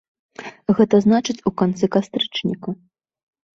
Гэта значыць, у канцы кастрычніка.